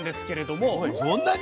そんなに？